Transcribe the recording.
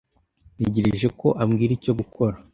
Ntegereje ko ambwira icyo gukora.